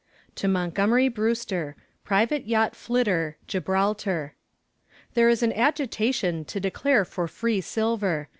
To MONTGOMERY BREWSTER, Private Yacht Flitter, Gibraltar. There is an agitation to declare for free silver.